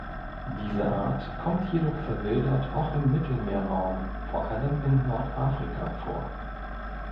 Diese Art kommt jedoch verwildert auch im Mittelmeerraum, vor allem in Nordafrika vor.